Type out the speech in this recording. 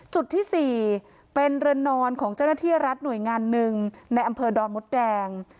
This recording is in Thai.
จุดที่๔เป็นเรือนนอนของเจ้าหน้าที่รัฐหน่วยงานหนึ่งในอำเภอดอนมดแดง